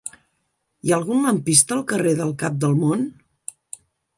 Hi ha algun lampista al carrer del Cap del Món?